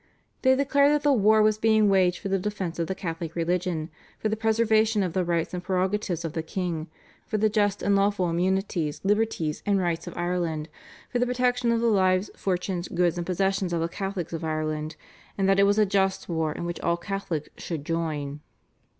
They declared that the war was being waged for the defence of the Catholic religion, for the preservation of the rights and prerogatives of the king, for the just and lawful immunities, liberties, and rights of Ireland, for the protection of the lives, fortunes, goods, and possessions of the Catholics of Ireland, and that it was a just war in which all Catholics should join.